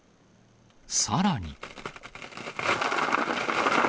さらに。